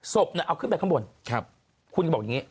ศพเอาขึ้นไปข้างบนคุณก็บอกอย่างนี้